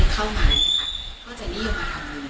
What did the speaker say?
ก็จะนิยมอาบน้ำมนอย่างยังไงบ้าง